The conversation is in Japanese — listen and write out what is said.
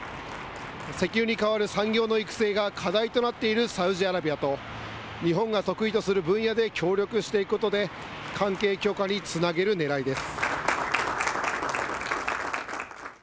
石油に代わる産業の育成が課題となっているサウジアラビアと、日本が得意とする分野で協力していくことで、関係強化につなげるねらいです。